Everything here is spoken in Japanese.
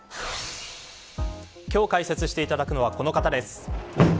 今日解説していただくのはこの方です。